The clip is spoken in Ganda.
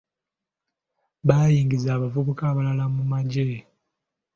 Baayingizza abavubuka abalala mu magye.